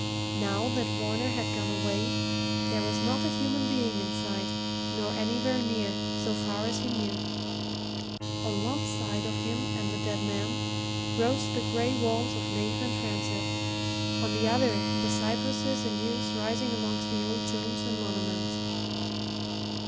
Now that Varner had gone away, there was not a human being in sight, nor anywhere near, so far as he knew. On one side of him and the dead man rose the grey walls of nave and transept; on the other, the cypresses and yews rising amongst the old tombs and monuments.